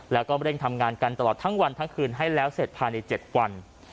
แล้วก็เร่งทำงานกันตลอดทั้งวันทั้งคืนให้แล้วเสร็จภายใน๗วัน